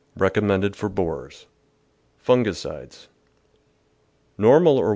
Recommended for borers. Fungicides Normal or 1.